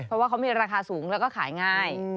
เพราะว่าเขามีราคาสูงแล้วก็ขายง่าย